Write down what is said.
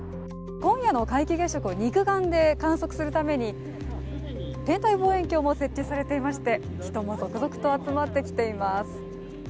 今夜の皆既月食を肉眼で観測するために天体望遠鏡も設置されていまして人も続々と集まってきています。